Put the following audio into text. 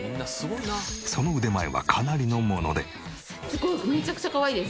その腕前はかなりのもので。